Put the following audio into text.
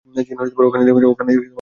জিন, ওখানেই থেমে যাও।